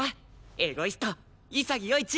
エゴイスト潔世一！